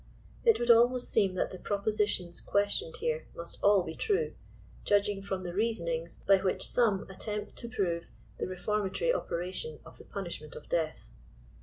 It would almost seem that the propositions questioned here must all be true, judging from the reasonings by which some attempt to prove the reformatory operation of the punishment of death.